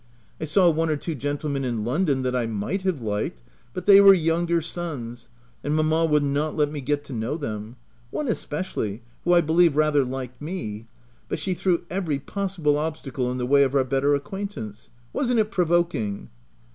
I saw one or two gentlemen in London, that I might have liked, but they were younger sons, and mamma would not let me get to know them — one especially, who I believe rather liked me, but she threw every possible obstacle in the way of our better acquaintance — wasn't it provoking?"